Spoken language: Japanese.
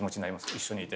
一緒にいて。